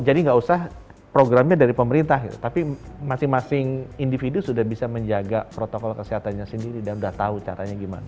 jadi enggak usah programnya dari pemerintah tapi masing masing individu sudah bisa menjaga protokol kesehatannya sendiri dan udah tahu caranya gimana